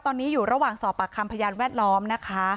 ตอนนี้อยู่ระหว่างสอบปากคำพยานแวดล้อมนะคะ